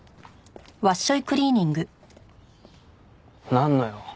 なんの用？